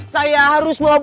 saya harus mau pulang